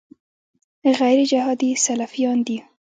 غیرجهادي سلفیان دي.